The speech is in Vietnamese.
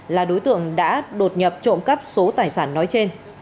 là đối tượng đã đột nhập trộm cắp số tài sản nói trên